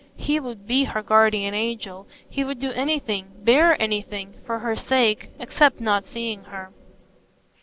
He would be her guardian angel; he would do anything, bear anything, for her sake—except not seeing her.